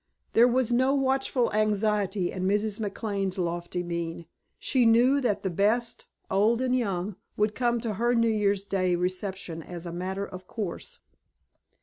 There was no watchful anxiety in Mrs. McLane's lofty mien. She knew that the best, old and young, would come to her New Year's Day reception as a matter of course.